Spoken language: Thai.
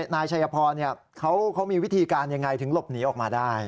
นายชัยพรเขามีวิธีการยังไงถึงหลบหนีออกมาได้